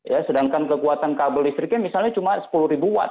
ya sedangkan kekuatan kabel listriknya misalnya cuma sepuluh ribu watt